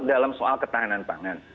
dalam soal ketahanan pangan